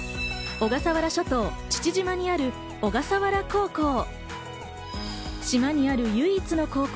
小笠原諸島・父島にある小笠原高校。